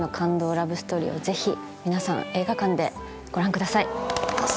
ラブストーリーをぜひ皆さん映画館でご覧ください。